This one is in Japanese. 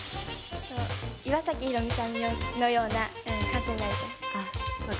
岩崎宏美さんのような歌手になりたいです。